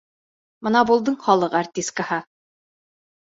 Бына булдың халыҡ артисткаһы!